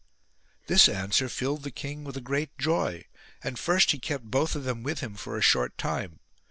60 ALCUIN This answer filled the king with a great joy, and first he kept both of them with him for a short time.